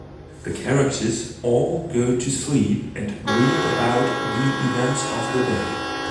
The characters all go to sleep and dream about the events of the day.